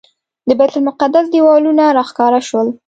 د بیت المقدس دیوالونه راښکاره شول.